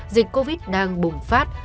dịch covid đang bùng phát